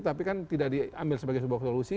tapi kan tidak diambil sebagai sebuah solusi